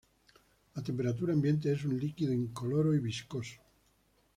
A temperatura ambiente es un líquido incoloro y viscoso.